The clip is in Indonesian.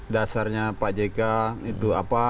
dasarnya pak jk itu apa